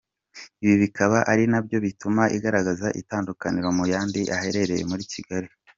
ibi bikaba ari nabyo bituma igaragaza itandukaniro mu yandi aherereye muri Kigali.